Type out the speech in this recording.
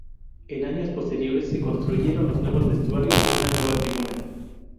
En años posteriores se construyeron los nuevos vestuarios y una nueva tribuna.